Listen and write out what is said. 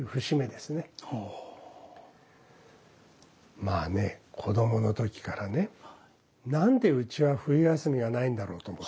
まあね子どもの時からね何でうちは冬休みがないんだろうと思ってたの。